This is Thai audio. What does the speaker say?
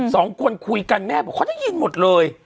สองคนคุยกันแม่บอกเขาได้ยินหมดเลย